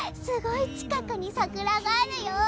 すごい近くに桜があるよ！